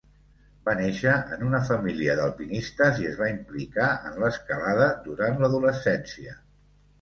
Va néixer en una família d'alpinistes i es va implicar en l'escalada durant l'adolescència.